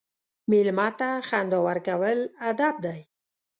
مېلمه ته خندا ورکول ادب دی.